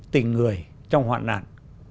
tình người trong hoạn nạn